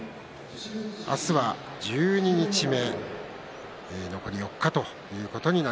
明日は十二日目。